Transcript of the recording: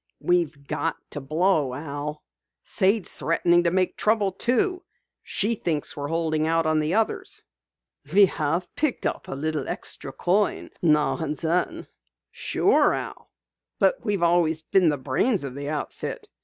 "We've got to blow, Al. Sade's threatening to make trouble, too. She thinks we're holding out on the others." "We have picked up a little extra coin now and then." "Sure, Al, but we've always been the brains of the outfit.